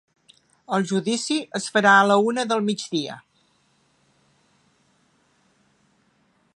El judici es farà a la una del migdia.